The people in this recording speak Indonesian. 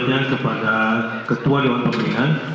selanjutnya kepada ketua dewan pemulihan